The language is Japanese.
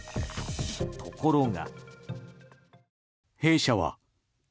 ところが。